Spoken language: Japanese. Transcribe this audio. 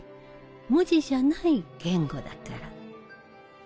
文字じゃない言語だから。